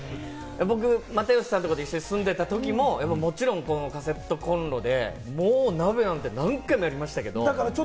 僕、又吉さんとかと一緒に住んでたときも、もちろんカセットコンロで、もう鍋なんて何回もやりましたけれども。